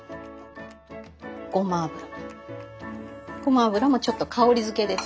ごま油ごま油もちょっと香りづけです。